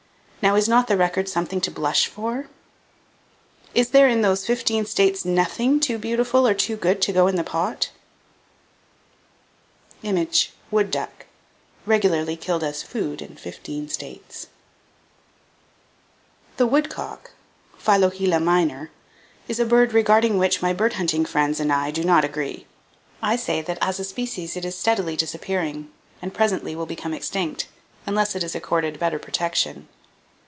Now, is not the record something to blush for? Is there in those fifteen states nothing too beautiful or too good to go into the pot? [Page 30] The Woodcock (Philohela minor), is a bird regarding which my bird hunting friends and I do not agree. I say that as a species it is steadily disappearing, and presently will become extinct, unless it is accorded better protection.